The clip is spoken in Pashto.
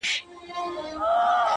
چا له نظره کړې د ښکلیو د مستۍ سندري-